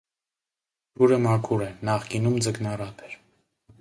Ջուրը մաքուր է, նախկինում ձկնառատ էր։